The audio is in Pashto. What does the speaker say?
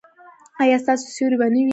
ایا ستاسو سیوری به نه وي؟